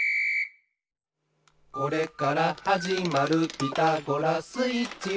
「これからはじまる『ピタゴラスイッチ』は」